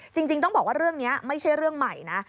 จริงต้องบอกว่าเรื่องนี้ไม่ใช่เรื่องใหม่นะ